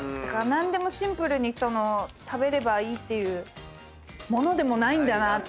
何でもシンプルに食べればいいっていうものでもないんだなと。